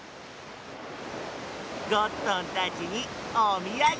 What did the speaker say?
ゴットンたちにおみやげ！